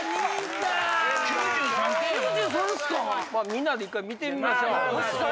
みんなで一回見てみましょう。